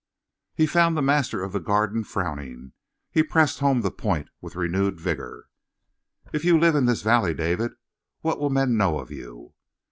He found the master of the Garden frowning. He pressed home the point with renewed vigor. "If you live in this valley, David, what will men know of you?"